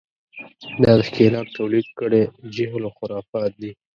دا د ښکېلاک تولید کړی جهل و خرافات دي.